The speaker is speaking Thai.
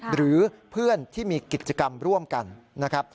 หรือเพื่อนที่มีกิจกรรมร่วมกันนะครับ